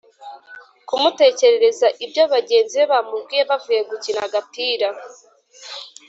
kumutekerereza ibyo bagenzi be bamubwiye bavuye gukina agapira.